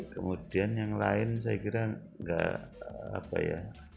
kemudian yang lain saya kira nggak apa ya